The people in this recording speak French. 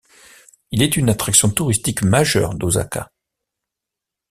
Il est une attraction touristique majeure d'Osaka.